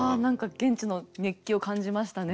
現地の熱気を感じましたね。